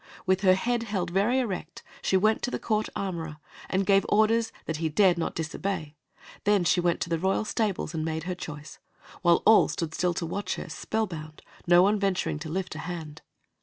With her head held very erect, she went to the court armorer, and gave orders that he dared not disobey; then she went to the royal stables and made her choice, while all stood still to watch her, spellbound, no one venturing to lift a hand.